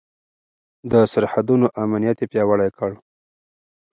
د سرحدونو امنيت يې پياوړی کړ.